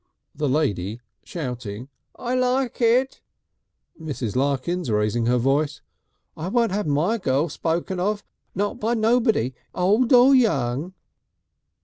The lady shouting: "I like it." Mrs. Larkins, raising her voice: "I won't 'ave my girls spoken of, not by nobody, old or young."